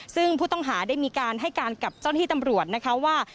ซึ่งผู้ต้องหาได้มีการให้การกับเจ้าหิตำรวจว่า